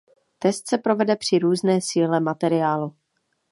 Test se provede při různé síle materiálu.